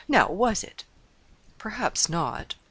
Now, was it?" "Perhaps not."